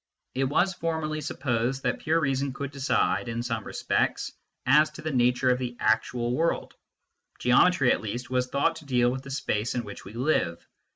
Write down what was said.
It was formerly sup posed that pure reason could decide, in some respects, as to the nature of the actual world : geometry, at least, was thought to deal with the space in which we live.